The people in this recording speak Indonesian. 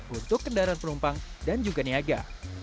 untuk kendaraan penumpang dan juga niaga